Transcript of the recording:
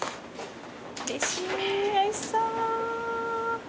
うれしいおいしそう！